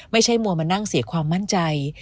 ไม่ใช่มัวมานั่งเสียความมั่นใจ